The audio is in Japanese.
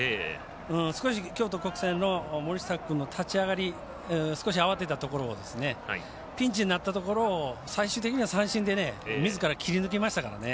少し京都国際の森下君の立ち上がり、少し慌てたところをピンチになったところを最終的には三振でみずから切り抜けましたからね。